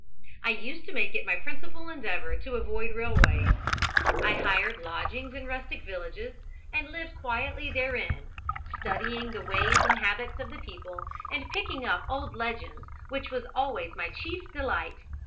I used to make it my principal endeavour to avoid railways. I hired lodgings in rustic villages, and lived quietly therein, studying the ways and habits of the people, and picking up old legends, which was always my chief delight.